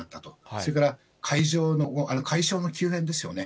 それからかいしょうの急変ですよね。